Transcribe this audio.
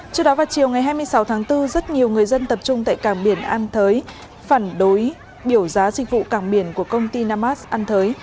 trước đó vào chiều ngày hai mươi sáu tháng bốn rất nhiều người dân tập trung tại càng biển an thới phản đối biểu giá sinh vụ càng biển của công ty namas an thới